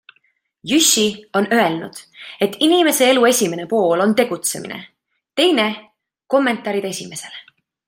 Jüssi on öelnud, et inimese elu esimene pool on tegutsemine, teine kommentaarid esimesele.